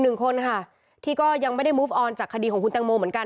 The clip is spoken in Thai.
หนึ่งคนค่ะที่ก็ยังไม่ได้มูฟออนจากคดีของคุณตังโมเหมือนกัน